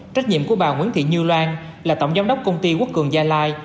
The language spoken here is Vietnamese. trách nhiệm của bà nguyễn thị như loan là tổng giám đốc công ty quốc cường gia lai